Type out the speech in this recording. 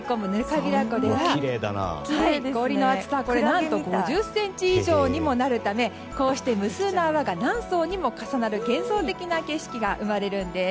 糠平湖では氷の厚さは何と５０ｃｍ以上にもなるためこうして無数の泡が何曹にも重なる幻想的な景色が生まれるんです。